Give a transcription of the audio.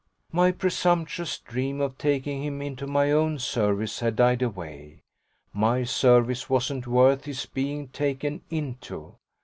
My presumptuous dream of taking him into my own service had died away: my service wasn't worth his being taken into.